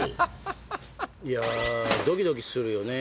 いやドキドキするよね